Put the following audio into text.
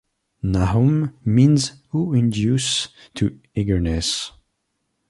"Nahum" means "who induces to eagerness".